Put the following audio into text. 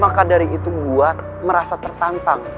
maka dari itu gue merasa tertantang